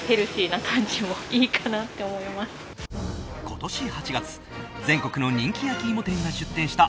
今年８月全国の人気焼き芋店が出店した